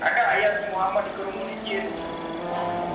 karena ayatnya muhammad dikerumuni jin